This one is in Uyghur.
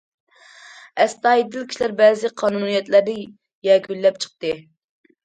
ئەستايىدىل كىشىلەر بەزى قانۇنىيەتلەرنى يەكۈنلەپ چىقتى.